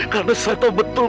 karena saya tahu betul